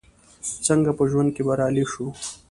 څنګه په ژوند کې بريالي شو ؟